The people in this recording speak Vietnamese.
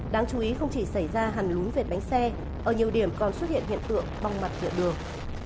đáng chú ý không chỉ xảy ra hằn lún vệt bánh xe ở nhiều điểm còn xuất hiện hiện tượng bong mặt dựa đường